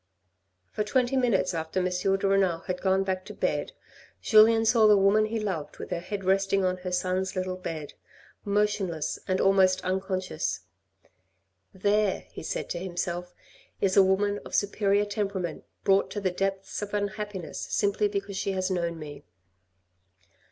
" For twenty minutes after M. de Renal had gone back to bed, Julien saw the woman he loved with her head resting on her son's little bed, motionless, and almost unconscious. " There," he said to himself, " is a woman of superior temperament brought to the depths of unhappiness simply because she has known me."